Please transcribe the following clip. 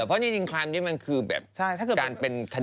เพราะนี่อินคลายม์มันคือแบบการเป็นคดีกว่า